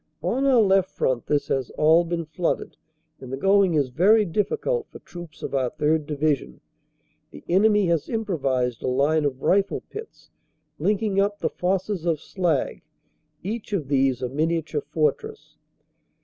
On our left front this has all been flooded and the going is very difficult for troops of our 3rd. Division. The enemy has improvised a line of rifle pits, linking up the "fosses" of slag, each of these a miniature fortress.